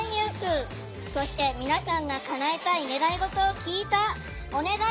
そして皆さんがかなえたい願い事を聞いた「お願い！